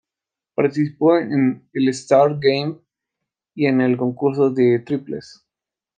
Participó en el All-Star Game y en el Concurso de Triples.